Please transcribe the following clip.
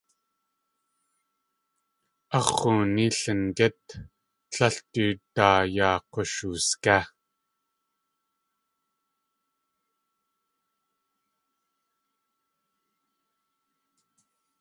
Ax̲ x̲ooní Lingít tlél du daa yaa k̲ushusgé.